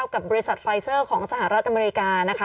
กับบริษัทไฟเซอร์ของสหรัฐอเมริกานะคะ